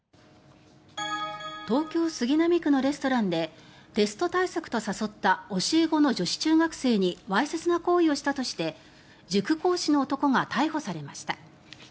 東京・杉並区のレストランでテスト対策と誘った教え子の女子中学生にわいせつな行為をしたとして塾講師の男が逮捕されました。